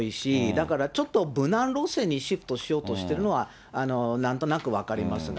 だからちょっと無難路線にシフトしようとしているのは、なんとなく分かりますが。